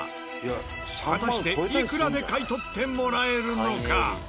果たしていくらで買い取ってもらえるのか？